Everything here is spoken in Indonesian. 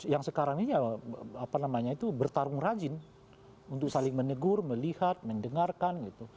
yang sekarang ini ya apa namanya itu bertarung rajin untuk saling menegur melihat mendengarkan gitu